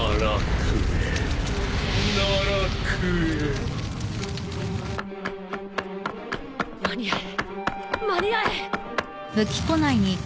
間に合え間に合え。